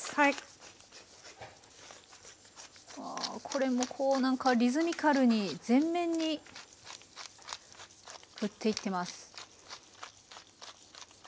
これもこう何かリズミカルに全面にふっていってます。